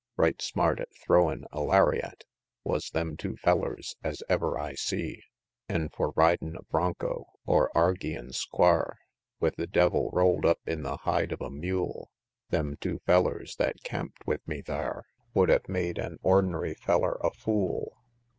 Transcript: Right smart at throwin' a lariat Was them two fellers, as ever I see; An' for ridin' a broncho, or argyin' squar With the devil roll'd up in the hide of a mule, Them two fellers that camp'd with me thar Would hev made an' or'nary feller a fool.